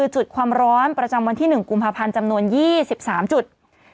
จุดความร้อนประจำวันที่๑กุมภาพันธ์จำนวน๒๓จุด